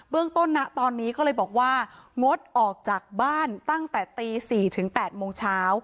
เรื่องต้นนะตอนนี้ก็เลยบอกว่างดออกจากบ้านตั้งแต่ตี๔ถึง๘โมงเช้า